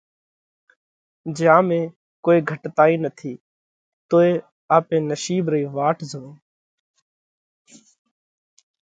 جيا ۾ ڪوئي گھٽتائِي نٿِي۔ توئي آپي نشِيٻ رئي واٽ زوئونه